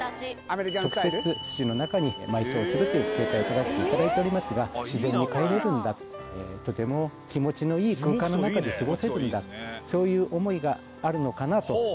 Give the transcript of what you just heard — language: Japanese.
直接土の中に埋葬するという形を取らせていただいておりますが、自然に帰れるんだと、とても気持ちのいいお墓の中で過ごせるんだ、そういう思いがあるのかなと。